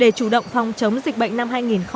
để chủ động phòng chống dịch bệnh năm hai nghìn hai mươi